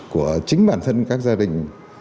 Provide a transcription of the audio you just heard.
của chính bản thân các gia đình